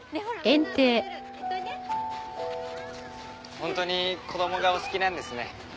本当に子供がお好きなんですね。